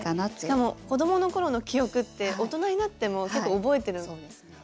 しかも子どもの頃の記憶って大人になっても結構覚えてるので。